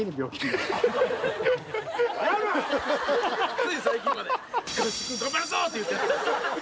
つい最近まで合宿頑張るぞって言ってた。